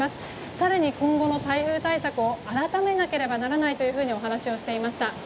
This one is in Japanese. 更に今後の台風対策を改めなければならないとお話をしていました。